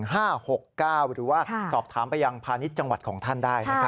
หรือว่าสอบถามไปยังพาณิชย์จังหวัดของท่านได้